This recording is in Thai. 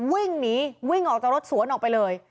วิ่งหนีวิ่งออกจากรถสวนออกไปเลย